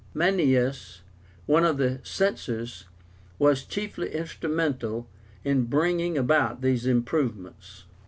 Maenius, one of the Censors, was chiefly instrumental in bringing about these improvements.